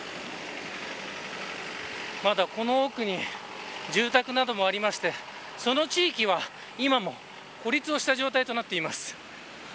まだこの奥に住宅などもありましてその地域は、今も孤立した状態となっています。